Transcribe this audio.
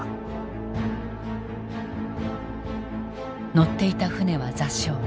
乗っていた船は座礁。